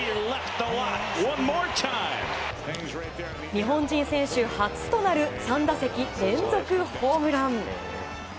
日本人選手初となる３打席連続ホームラン。